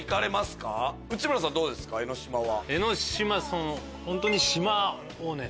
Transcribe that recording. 江の島は。